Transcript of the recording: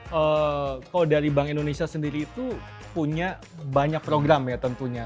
kalau dari bank indonesia sendiri itu punya banyak program ya tentunya